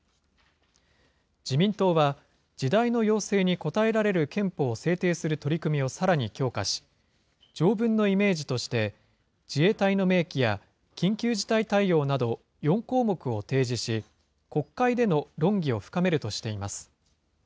自民党は、時代の要請に応えられる憲法を制定する取り組みをさらに強化し、条文のイメージとして、自衛隊の明記や、緊急事態対応など、４項目を提示し、国会での論議を深めるとしています。